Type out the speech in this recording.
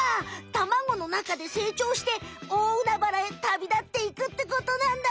卵のなかでせいちょうしておおうなばらへたびだっていくってことなんだね。